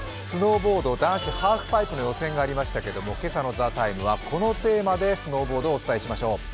スノーボード男子ハーフパイプの予選がありましたけれども今朝の「ＴＨＥＴＩＭＥ，」はこのテーマでスノーボードをお伝えしましょう。